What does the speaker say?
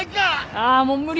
ああもう無理。